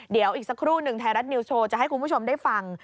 เดี๋ยวอีกสักครู่หนึ่งไทยรัฐนิวโชว์จะให้คุณผู้ชมได้ฟัง